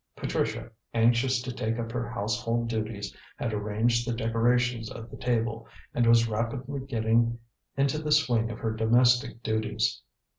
Patricia, anxious to take up her household duties, had arranged the decorations of the table, and was rapidly getting into the swing of her domestic duties.